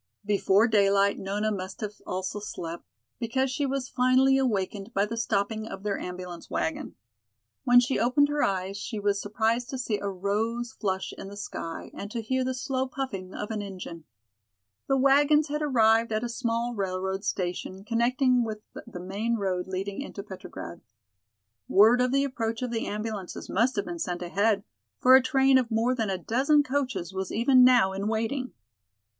Before daylight Nona must have also slept, because she was finally awakened by the stopping of their ambulance wagon. When she opened her eyes she was surprised to see a rose flush in the sky and to hear the slow puffing of an engine. The wagons had arrived at a small railroad station, connecting with the main road leading into Petrograd. Word of the approach of the ambulances must have been sent ahead, for a train of more than a dozen coaches was even now in waiting.